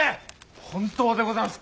本当でございます。